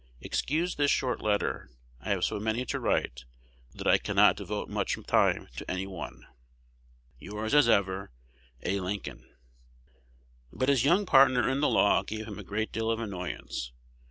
Excuse this short letter. I have so many to write that I cannot devote much time to any one. Yours as ever, A. Lincoln. But his young partner in the law gave him a great deal of annoyance.